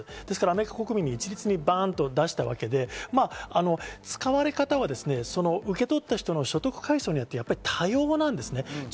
アメリカ国民に一律バンと出したわけで、使われ方は受け取った人の所得、階層によって多様です。